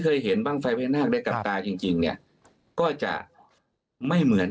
เคยเห็นบ้างไฟเปนฮาคได้กับตาจริงก็จะไม่เหมือน